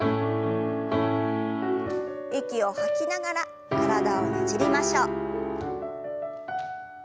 息を吐きながら体をねじりましょう。